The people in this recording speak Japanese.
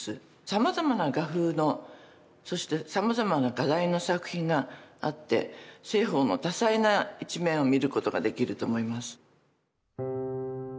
さまざまな画風のそしてさまざまな画題の作品があって栖鳳の多彩な一面を見ることができると思います。